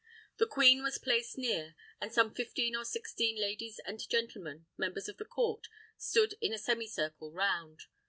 The queen was placed near, and some fifteen or sixteen ladies and gentlemen, members of the court, stood in a semicircle round.